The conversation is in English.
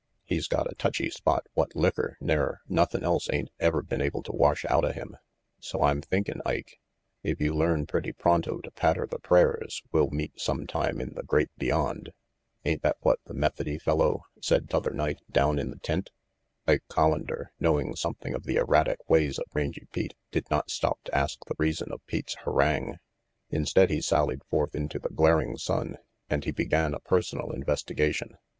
RANGY PETE 3 He's got a touchy spot what licker ner nothing else ain't been able to wash outa him, so I'm thinkin', Ike, if you learn pretty pronto to patter the prayers, we'll meet sometime in the Great Beyond. Ain't that what the Methody fellow said t'other night down in the tent?" Ike Collander, knowing something of the erratic ways of Rangy Pete, did not stop to ask the reason of Pete's harangue. Instead, he sallied forth into the glaring sun and he began a personal investigation.